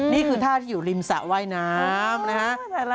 นี่คือท่าที่อยู่ริมสะไหวน้ำนั้น